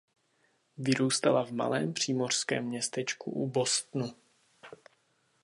Vyrůstala v malém přímořském městečku u Bostonu.